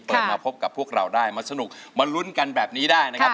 มาพบกับพวกเราได้มาสนุกมาลุ้นกันแบบนี้ได้นะครับ